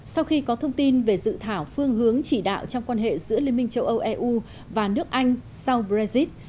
sau khi có thông tin về dự thảo phương hướng chỉ đạo trong quan hệ giữa liên minh châu âu eu và nước anh sau brexit